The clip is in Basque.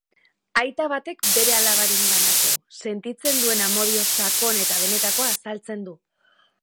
Aita batek bere alabarenganako sentitzen duen amodio sakon eta benetakoa azaltzen du.